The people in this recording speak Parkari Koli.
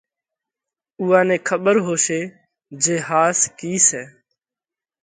اُوئا نئہ کٻر هوشي جي ۿاس ڪِي سئہ؟